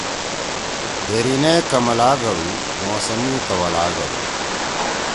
دھیریِنے کمَلا گھڑُو، موسم می توَلا گھڑُو